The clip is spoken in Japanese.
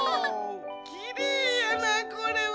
きれいやなこれは。